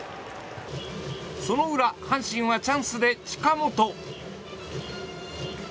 その裏、阪神はチャンスで近本。